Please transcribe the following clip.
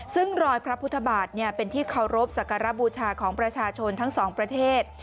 ซึ่งรอยพระพุทธบาทเป็นที่เคารพสักการะบูชาของประชาชนทั้งสองประเทศ